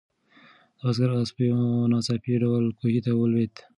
د بزګر آس په یو ناڅاپي ډول کوهي ته ولوېد.